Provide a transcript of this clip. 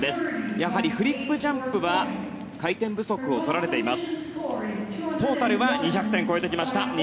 やはりフリップジャンプは回転不足を取られています。